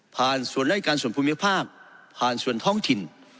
ส่วนรายการส่วนภูมิภาคผ่านส่วนท้องถิ่น